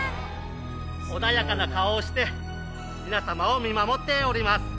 穏やかな顔をして皆様を見守っております